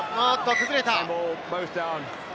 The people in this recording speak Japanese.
崩れた！